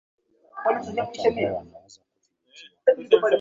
ni watu ambao wanaweza kudhibitiwa